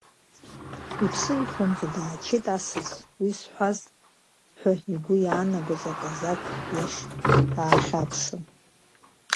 Иԥсы ихәламӡо дааччеит асас, уи зҳәаз ҳәа игәы иаанагаз аказақ иахь даахьаԥшын.